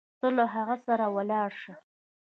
ته له هغه سره ولاړه شه.